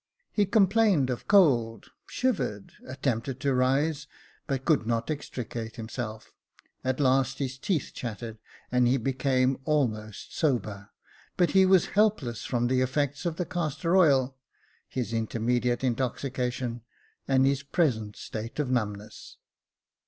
He complained of cold, shivered, attempted to rise, but could not extricate himself; at last his teeth chattered, and he became almost sober ; but he was helpless from the effects of the castor oil, his intermediate intoxication, and his present state of numbness.